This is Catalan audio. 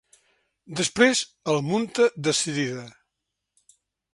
Després el munta decidida.